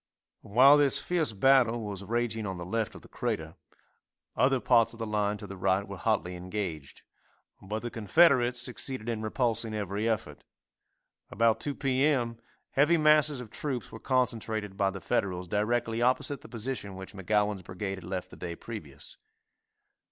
While this fierce battle was raging on the left of the "Crater," other parts of the line to the right were hotly engaged, but the Confederates succeeded in repulsing every effort. About 2 p. m., heavy masses of troops were concentrated by the Federals directly opposite the position which McGowan's brigade had left the day previous.